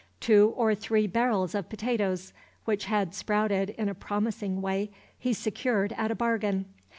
Two or three barrels of potatoes, which had sprouted in a promising way, he secured at a bargain.